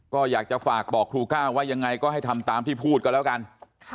ก็อยากจะฝากบอกครูก้าวว่ายังไงก็ให้ทำตามที่พูดกันแล้วกัน